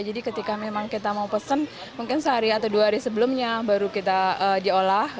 jadi ketika memang kita mau pesen mungkin sehari atau dua hari sebelumnya baru kita diolah